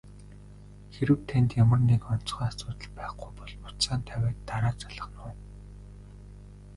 Хэрэв танд ямар нэг онцгой асуудал байхгүй бол утсаа тавиад дараа залгана уу?